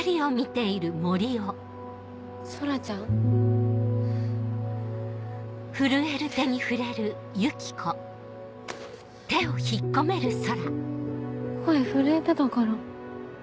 空ちゃん？えっ？声震えてたから。